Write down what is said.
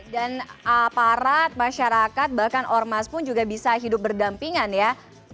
dan aparat masyarakat bahkan ormas pun juga bisa hidup berdampingan ya